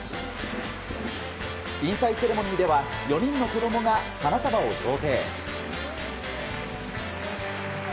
引退セレモニーでは４人の子供が花束を贈呈。